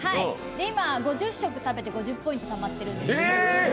今、５０食を食べて５０ポイントたまってるんです。